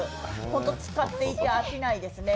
ホント使っていて飽きないですね。